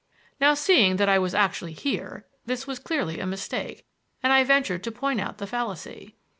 Now, seeing that I was actually here, this was clearly a mistake, and I ventured to point out the fallacy.